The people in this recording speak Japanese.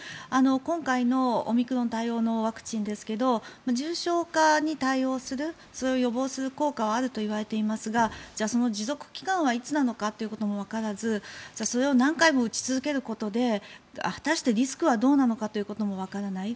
今回のオミクロン対応のワクチンですけど重症化に対応するそれを予防する効果はあるといわれていますがじゃあ、その持続期間はいつなのかということもわからずそれを何回も打ち続けることで果たしてリスクはどうなのかもわからない。